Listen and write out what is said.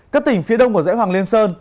các tỉnh phía đông của dãy hoàng liên sơn